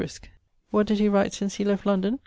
9, fol. 47ᵛ. What did he write since he left London?